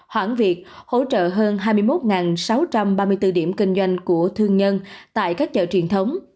hoãn việc hỗ trợ hơn hai mươi một sáu trăm ba mươi bốn điểm kinh doanh của thương nhân tại các chợ truyền thống